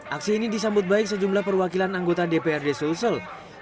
aksi ini disambut baik sejumlah perwakilan anggota dprd sulsel